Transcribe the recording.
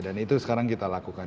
dan itu sekarang kita lakukan